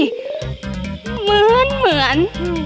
เหมือนเหมือน